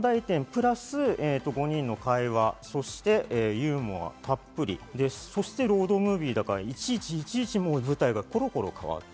プラス５人の会話、そしてユーモアたっぷり、そしてロードムービーだから、いちいち舞台がコロコロ変わる。